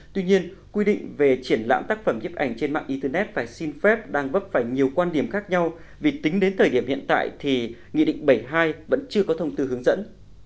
tuy nhiên quy định về triển lãm tác phẩm nhiếp ảnh trên mạng internet phải xin phép đang vấp phải nhiều quan điểm khác nhau vì tính đến thời điểm hiện tại thì nghị định bảy mươi hai vẫn chưa có thông tư hướng dẫn